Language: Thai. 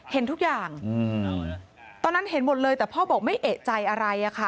เห็นทุกอย่างตอนนั้นเห็นหมดเลยแต่พ่อบอกไม่เอกใจอะไรอะค่ะ